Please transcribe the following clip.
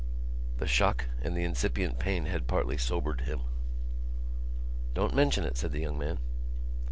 The shock and the incipient pain had partly sobered him. "Don't mention it," said the young man.